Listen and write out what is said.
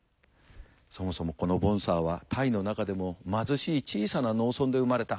そもそもこのボンサーはタイの中でも貧しい小さな農村で生まれた。